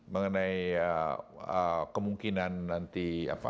mengenai kemungkinan nanti apa